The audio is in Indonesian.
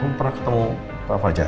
belum pernah ketemu pak fajar